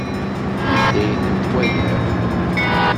Anda ay ten-twalam?